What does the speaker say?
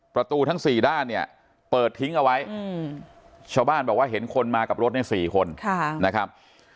ทั้ง๔ด้านเนี่ยเปิดทิ้งเอาไว้ชาวบ้านบอกว่าเห็นคนมากับรถใน๔คนนะครับ